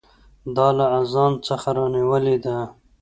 دا له اذان څخه رانیولې ده.